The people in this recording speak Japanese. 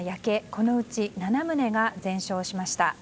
このうち７棟が全焼しました。